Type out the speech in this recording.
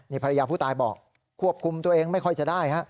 ภรรยาผู้ตายบอกควบคุมตัวเองไม่ค่อยจะได้ฮะ